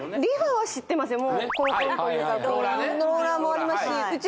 ローラーもありますしうち